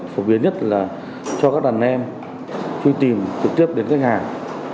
phổ biến nhất là cho các đàn em truy tìm trực tiếp đến khách hàng